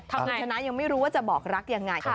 คุณชนะยังไม่รู้ว่าจะบอกรักยังไง